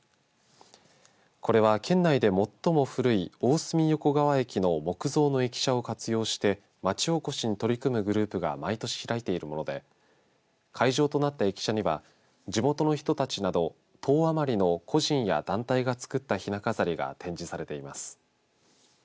これは、県内で最も古い大隅横川駅の木造の駅舎を活用して町おこしに取り組むグループが毎年開いているもので会場となった駅舎には地元の人たちなど１０余りの個人や団体が作ったひな飾りが展示されています。